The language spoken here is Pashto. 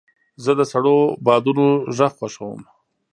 زه د سړو بادونو غږ خوښوم.